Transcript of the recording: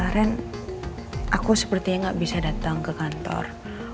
ren aku sepertinya nggak bisa datang ke kantor